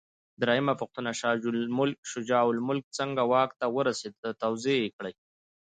درېمه پوښتنه: شجاع الملک څنګه واک ته ورسېد؟ توضیح یې کړئ.